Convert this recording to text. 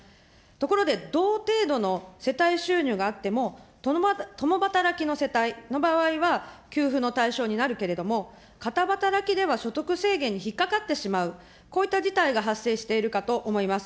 ところで同程度の世帯収入があっても、共働きの世帯の場合は、給付の対象になるけれども、片働きでは所得制限に引っ掛かってしまう、こういった事態が発生しているかと思います。